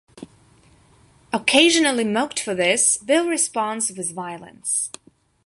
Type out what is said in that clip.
Occasionally mocked for this, Bill responds with violence.